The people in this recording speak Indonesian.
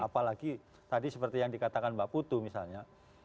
apalagi tadi seperti yang dikatakan mbak putu misalnya